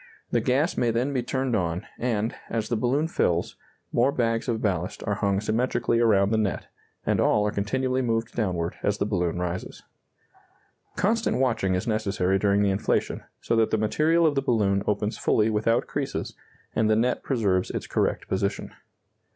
The gas may then be turned on, and, as the balloon fills, more bags of ballast are hung symmetrically around the net; and all are continually moved downward as the balloon rises. Constant watching is necessary during the inflation, so that the material of the balloon opens fully without creases, and the net preserves its correct position.